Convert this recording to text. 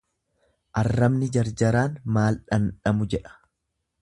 Arrabni jarjaraan maal dhandhamu jedha.